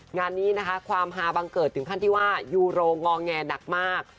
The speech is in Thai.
งานนี้นะคะความฮาบังเกิดถึงขั้นที่ว่ายูโรงอแงหนักมาก